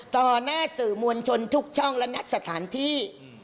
ต่อหน้าสื่อมวลชนทุกช่องและณสถานที่